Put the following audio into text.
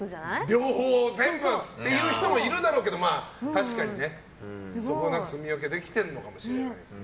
両方全部っていう人もいるだろうけど確かにね。そこはすみわけできているかもしれないですね。